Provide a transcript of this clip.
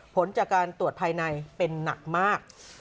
ผลจากการตรวจภายในเป็นหนักมาก